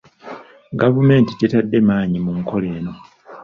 Gavumenti tetadde maanyi mu nkola eno.